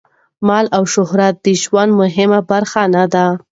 مال او شهرت د ژوند مهمه برخه نه دي.